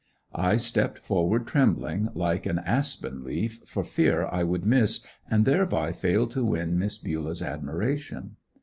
I stepped forward trembling like an aspen leaf, for fear I would miss and thereby fail to win Miss Bulah's admiration.